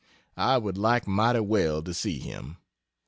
I would like mighty well to see him.